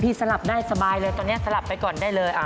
สลับได้สบายเลยตอนนี้สลับไปก่อนได้เลย